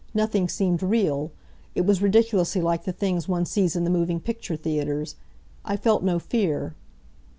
Nothing seemed real. It was ridiculously like the things one sees in the moving picture theaters. I felt no fear.